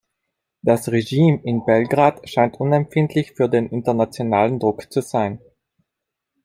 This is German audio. Das Regime in Belgrad scheint unempfindlich für den internationalen Druck zu sein.